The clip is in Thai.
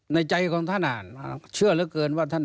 ในใจของท่านเชื่อเหลือเกินว่าท่าน